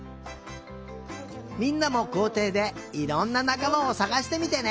みんなもこうていでいろんななかまをさがしてみてね！